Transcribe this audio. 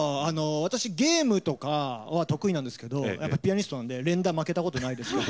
私ゲームとかは得意なんですけどやっぱピアニストなので連打負けたことないですけど。